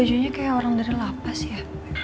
baju nya kayak orang dari lapas ya